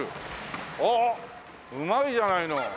おおっうまいじゃないの。